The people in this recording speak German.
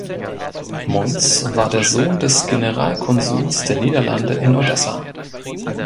Munz war der Sohn des Generalkonsuls der Niederlande in Odessa.